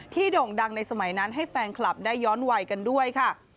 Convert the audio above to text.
โด่งดังในสมัยนั้นให้แฟนคลับได้ย้อนวัยกันด้วยค่ะ